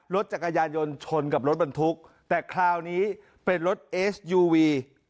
รถจักรยานยนต์ชนกับรถบรรทุกแต่คราวนี้เป็นรถเอสยูวี